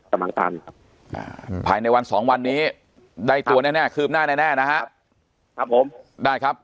กำลังตามครับอ่าภายในวันสองวันนี้ได้ตัวแน่แน่คืบหน้าแน่นะฮะครับผมได้ครับ